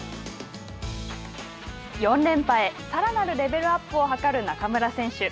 ４連覇へさらなるレベルアップを図る中村選手。